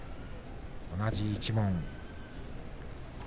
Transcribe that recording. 同じ一門。